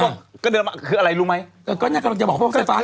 ก็บอกกระเด็นออกมาคืออะไรรู้ไหมก็เนี่ยกำลังจะบอกว่าไฟฟ้าดูด